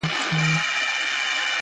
کيسه د ذهن برخه ګرځي تل,